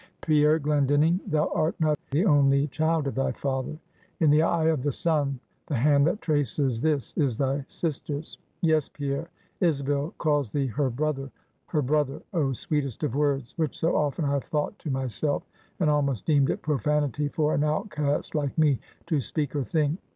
"Pierre Glendinning, thou art not the only child of thy father; in the eye of the sun, the hand that traces this is thy sister's; yes, Pierre, Isabel calls thee her brother her brother! oh, sweetest of words, which so often I have thought to myself, and almost deemed it profanity for an outcast like me to speak or think.